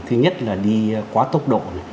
thứ nhất là đi quá tốc độ